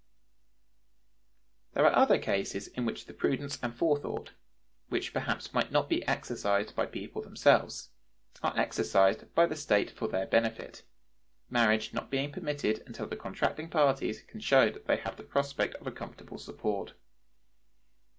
There are other cases in which the prudence and forethought, which perhaps might not be exercised by the people themselves, are exercised by the state for their benefit; marriage not being permitted until the contracting parties can show that they have the prospect of a comfortable support.